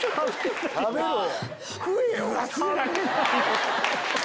食べろや！